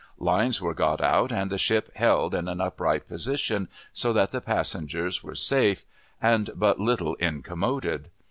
Lines were got out, and the ship held in an upright position, so that the passengers were safe, and but little incommoded.